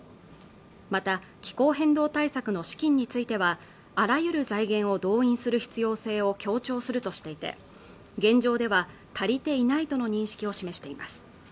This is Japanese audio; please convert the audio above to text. また気候変動対策の資金についてはあらゆる財源を動員する必要性を強調するとしていて現状では足りていないとの認識を示しています